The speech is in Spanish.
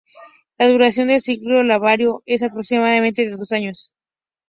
La duración del ciclo larvario es aproximadamente de dos años.